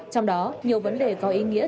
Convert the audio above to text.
trong đó nhiều vấn đề có ý nghĩa